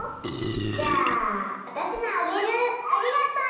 じゃあ私のあげるありがとう！